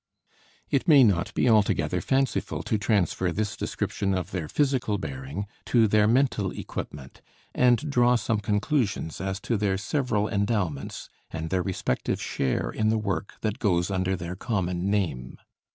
It may not be altogether fanciful to transfer this description of their physical bearing to their mental equipment, and draw some conclusions as to their several endowments and their respective share in the work that goes under their common name.